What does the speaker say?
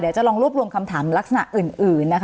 เดี๋ยวจะลองรวบรวมคำถามลักษณะอื่น